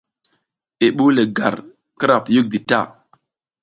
I ɓuw le gar kira piyik di ta.